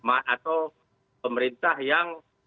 atau pemerintah yang